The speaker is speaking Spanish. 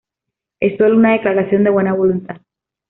Es sólo una declaración de buena voluntad.